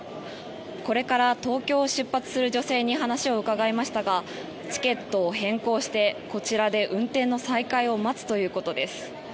これから東京を出発する女性に話を伺いましたがチケットを変更して運転の再開を待つということです。